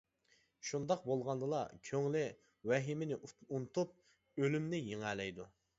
شۇنداق بولغاندىلا كۆڭلى ۋەھىمىنى ئۇنتۇپ، ئۆلۈمنى يېڭەلەيدۇ.